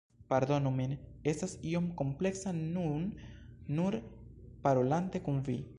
Pardonu min, estas iom kompleksa nun nur parolante kun vi.